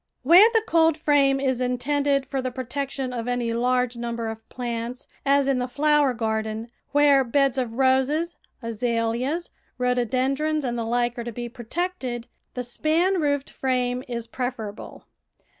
Where the coldframe is intended for the pro tection of any large number of plants, as in the THE VEGETABLE GARDEN flower garden, where beds of roses, azaleas, rho dodendrons, and the hke are to be protected, the span roofed frame is preferable.